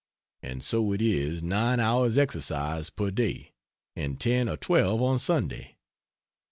And so it is 9 hours' exercise per day, and 10 or 12 on Sunday.